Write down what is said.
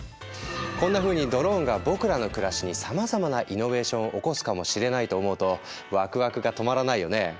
こんなふうにドローンが僕らの暮らしにさまざまなイノベーションを起こすかもしれないと思うとワクワクが止まらないよね。